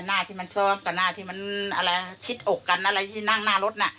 หน้าที่มันซ้อมกับหน้าที่มันอะไรคิดอกกันอะไรที่นั่งหน้ารถน่ะ